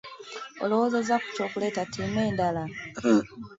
Olowoozezza ku ky'okuleeta ttiimu endala?